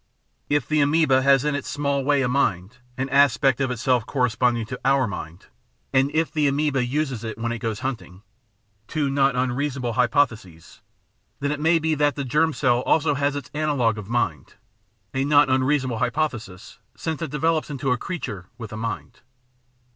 If the amoeba has in its small way a mind> an aspect of itself corresponding to our mind, and if the amoeba uses it when it goes hunting — ^two not unreasonable hypotheses — then it may be that the germ cell has also its analogue of mind — a not unreasonable hypothesis, since it develops into a creature with a mind.